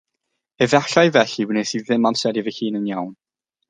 Efallai felly wnes i ddim amseru fy hun yn iawn